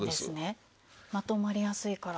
まとまりやすいから。